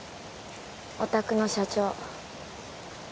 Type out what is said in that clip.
お宅の社長。